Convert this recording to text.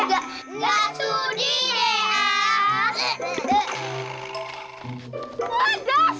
nggak sudi deh ya